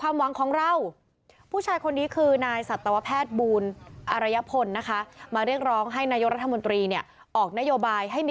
มาเรียกร้องให้นายกรรธมนตรีนี้